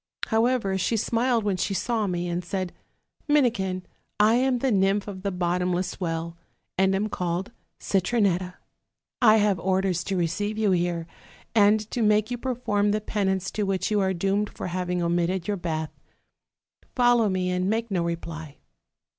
However, she smiled when she saw me; and said: 'Minikin, I am the nymph of the bottom less well, and am called Citronetta; I have orders to re ceive you here, and to make you perform the penance to which you are doomed for having omitted your bath; fol low me, and make no reply.'